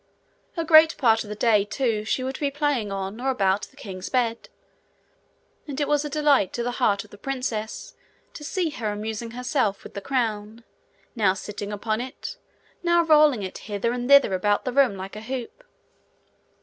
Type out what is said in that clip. A great part of the day too she would be playing on or about the king's bed; and it was a delight to the heart of the princess to see her amusing herself with the crown, now sitting upon it, now rolling it hither and thither about the room like a hoop.